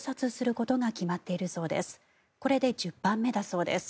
これで１０版目だそうです。